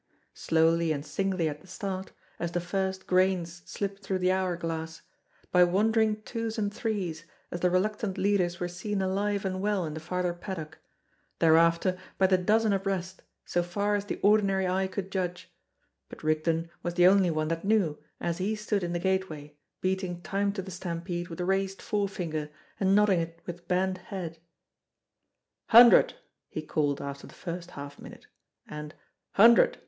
Slowly and singly at the start, as the first grains slip through the hour glass; by wondering twos and threes, as the reluctant leaders were seen alive and well in the farther paddock; thereafter by the dozen abreast, so far as the ordinary eye could judge; but Rigden was the only one that knew, as he stood in the gateway, beating time to the stampede with raised forefinger, and nodding it with bent head. "Hundred!" he called after the first half minute, and "hundred!"